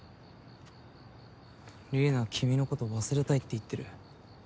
李里奈は君のことを忘れたいって言ってる。